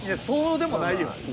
そうでもないよ。